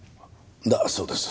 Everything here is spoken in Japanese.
だそうです。